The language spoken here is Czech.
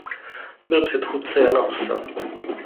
Byl předchůdce Jana Husa.